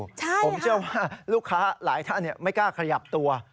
ผมเชื่อว่าลูกค้าหลายท่านไม่กล้าขยับตัว